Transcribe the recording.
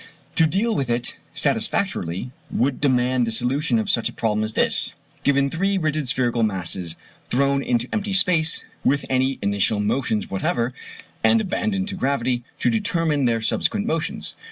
To deal with it satisfactorily would demand the solution of such a problem as this: Given three rigid spherical masses thrown into empty space with any initial motions whatever, and abandoned to gravity: to determine their subsequent motions.